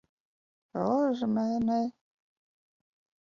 Uzmini.